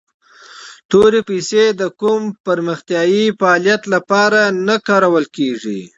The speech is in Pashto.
تورې پیسي د کوم پرمختیایي فعالیت لپاره نه کارول کیږي.